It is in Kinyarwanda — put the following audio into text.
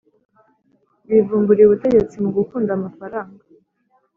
bivumburiye ubutegetsi mugukunda amafaranga